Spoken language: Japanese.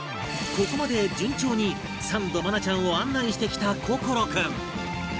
ここまで順調にサンド愛菜ちゃんを案内してきた心君